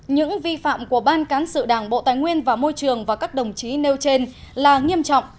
những vi phạm của ban cán sự đảng bộ tài nguyên và môi trường và các đồng chí nêu trên là nghiêm trọng